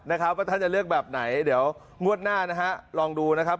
เพราะท่านจะเลือกแบบไหนเดี๋ยวงวดหน้าลองดูนะครับ